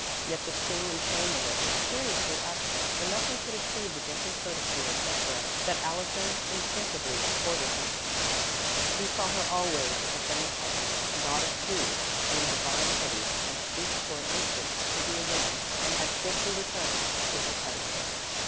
Yet the sting and shame of it were curiously absent, for nothing could exceed the gentle courtesy and deference that Allison instinctively accorded her. He saw her always as a thing apart; a goddess who, through divine pity, had stooped for an instant to be a woman and had swiftly returned to her pedestal.